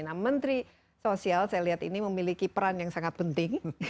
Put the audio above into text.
nah menteri sosial saya lihat ini memiliki peran yang sangat penting